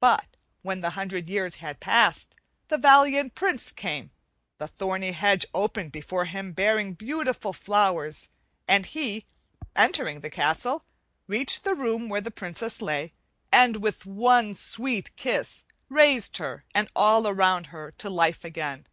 But when the hundred years had passed the valiant prince came, the thorny hedge opened before him bearing beautiful flowers; and he, entering the castle, reached the room where the princess lay, and with one sweet kiss raised her and all around her to life again.